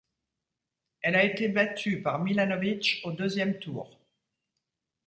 Elle a été battue par Milanović au deuxième tour.